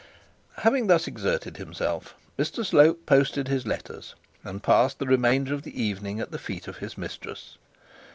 Having thus exerted himself, Mr Slope posted his letters, and passed the remainder of the evening at the feet of his mistress.